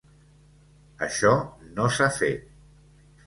Això no s'ha fet.